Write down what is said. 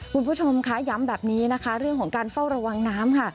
คุณผู้ชมคะย้ำแบบนี้นะคะเรื่องของการเฝ้าระวังน้ำค่ะ